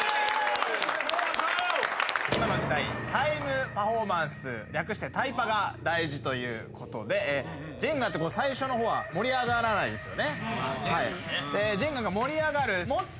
今の時代タイムパフォーマンス略してタイパが大事ということでジェンガって最初の方は盛り上がらないですよね。